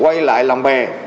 quay lại làm bè